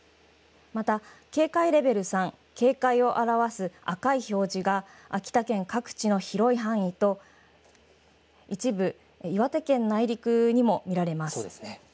また警戒レベル３、警戒を表す赤い表示が秋田県各地の広い範囲と一部岩手県内陸にも見られます。